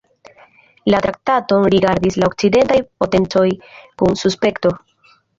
La traktaton rigardis la okcidentaj potencoj kun suspekto.